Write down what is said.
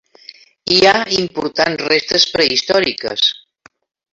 Hi ha importants restes prehistòriques.